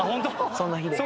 そんな日でした。